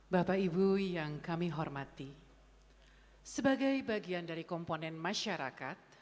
bapak ibu yang kami hormati sebagai bagian dari komponen masyarakat